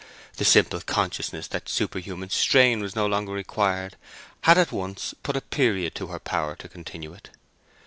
The simple consciousness that superhuman strain was no longer required had at once put a period to her power to continue it.